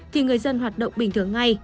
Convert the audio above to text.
thì người dân hoạt động bình thường ngay